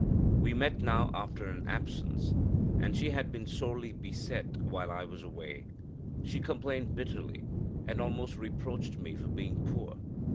We met now after an absence, and she had been sorely beset while I was away; she complained bitterly, and almost reproached me for being poor.